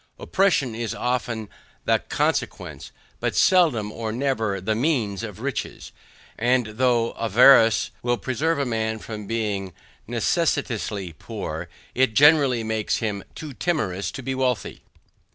Oppression is often the CONSEQUENCE, but seldom or never the MEANS of riches; and though avarice will preserve a man from being necessitously poor, it generally makes him too timorous to be wealthy.